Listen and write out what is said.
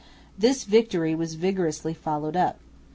This victory was vigorously followed up.